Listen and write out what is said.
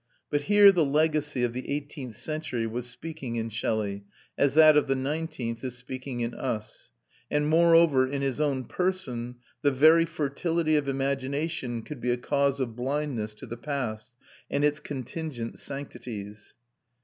But here the legacy of the eighteenth century was speaking in Shelley, as that of the nineteenth is speaking in us: and moreover, in his own person, the very fertility of imagination could be a cause of blindness to the past and its contingent sanctities.